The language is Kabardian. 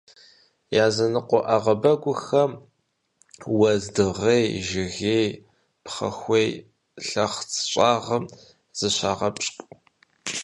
Языныкъуэ ӏэгъэбэгухэм уэздыгъей, жыгей, пхъэхуей лъэхъц щӀагъым зыщагъэпщкӏу.